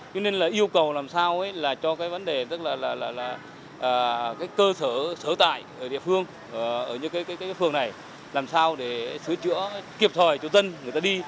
cho nên là yêu cầu làm sao là cho cái vấn đề tức là cái cơ sở sở tại ở địa phương ở những cái phường này làm sao để sửa chữa kịp thời cho dân người ta đi